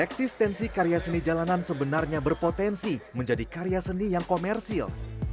eksistensi karya seni jalanan sebenarnya berpotensi menjadi karya seni yang komersil